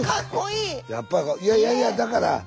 やっぱりいやいやいやだから。